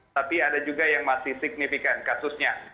tapi ada juga yang masih signifikan kasusnya